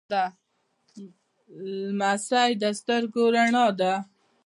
لمسی د سترګو رڼا ده.